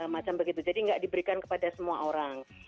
macam begitu jadi nggak diberikan kepada semua orang